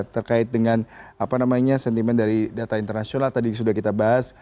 terkait dengan sentimen dari data internasional tadi sudah kita bahas